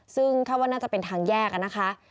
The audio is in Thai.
ซึ่งคาดว่าน่าจะเป็นทางแยกนะคะ